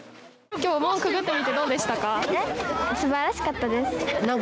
きょう門くぐってみてどうでしたか。